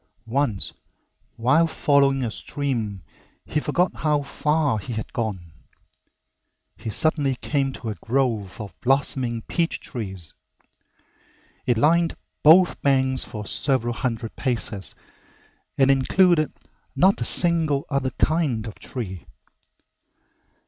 Once while following a stream he forgot how far he had gone. He suddenly came to a grove of blossoming peach trees. It lined both banks for several hundred paces and included not a single other kind of tree.